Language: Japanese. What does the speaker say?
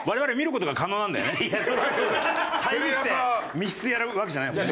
密室でやるわけじゃないもんね。